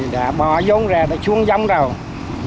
đã bỏ dống ra đã trung dống rồi